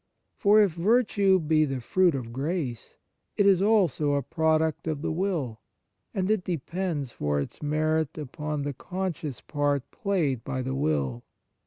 For if virtue be the fruit of grace, it is also a product of the will, and it depends for its merit upon the conscious part played by the will.